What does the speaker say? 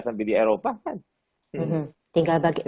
sampai di eropa kan